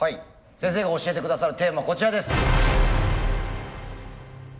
先生が教えて下さるテーマはこちらです。